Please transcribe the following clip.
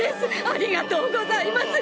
ありがとうございます